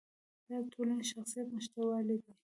دا د ټولنې د شخصیت نشتوالی دی.